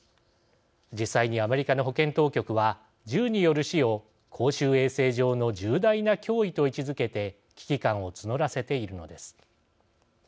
実際にアメリカの保健当局は銃による死を公衆衛生上の重大な脅威と位置づけて危機感を募らせているのです。